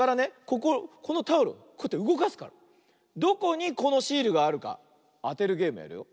こここのタオルこうやってうごかすからどこにこのシールがあるかあてるゲームやるよ。